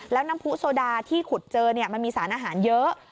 แล้วน้ำผู้โซดาที่ขุดเจอมันมีสารอาหารเยอะ